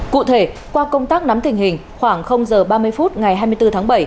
cụ thể qua công tác nắm tình hình khoảng h ba mươi phút ngày hai mươi bốn tháng bảy